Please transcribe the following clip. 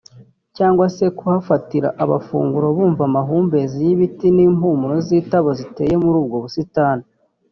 cyangwa se kuhafatira abafunguro bumva amahumbezi y’ibiti n’impumuro z’itabo ziteye muri ubwo busitani